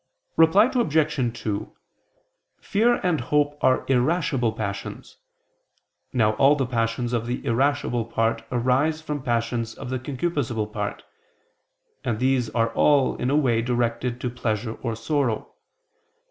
Reply Obj. 2: Fear and hope are irascible passions. Now all the passions of the irascible part arise from passions of the concupiscible part; and these are all, in a way, directed to pleasure or sorrow.